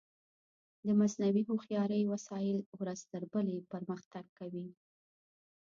د مصنوعي هوښیارۍ وسایل ورځ تر بلې پرمختګ کوي.